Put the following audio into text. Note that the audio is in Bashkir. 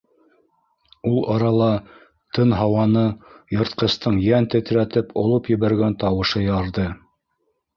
Ул арала тын һауаны йыртҡыстың йән тетрәтеп олоп ебәргән тауышы ярҙы.